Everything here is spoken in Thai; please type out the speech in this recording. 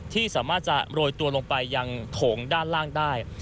ที่สามารถจะโรยตัวลงไปยังโถงด้านล่างได้